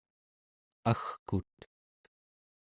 agkut